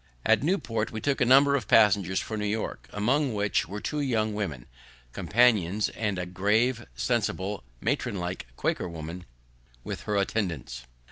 At Newport we took in a number of passengers for New York, among which were two young women, companions, and a grave, sensible, matronlike Quaker woman, with her attendants.